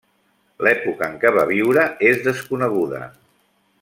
L'època en què va viure és desconeguda.